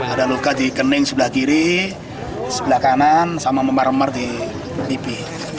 ada luka dikening sebelah kiri sebelah kanan sama memar mar di pipi